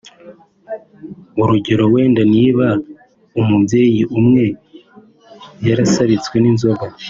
urugero wenda niba umubyeyi umwe yarasabitswe n’inzoga